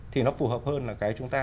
thì nó phù hợp hơn là cái chúng ta